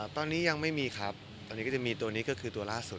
ตอนนี้ยังไม่มีครับตอนนี้ก็จะมีตัวนี้ก็คือตัวล่าสุด